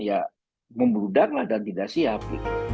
ya memudar dan tidak siap